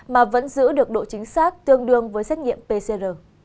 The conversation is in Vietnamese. mà vẫn giữ được độ chính xác tương đương với xét nghiệm pcr